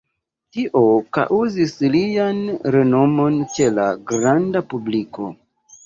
Tio kaŭzis lian renomon ĉe la granda publiko.